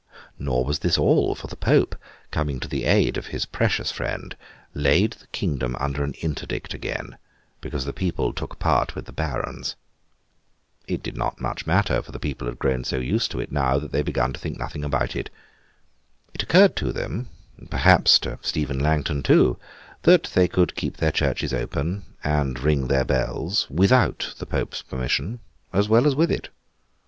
Nor was this all; for the Pope, coming to the aid of his precious friend, laid the kingdom under an Interdict again, because the people took part with the Barons. It did not much matter, for the people had grown so used to it now, that they had begun to think nothing about it. It occurred to them—perhaps to Stephen Langton too—that they could keep their churches open, and ring their bells, without the Pope's permission as well as with it.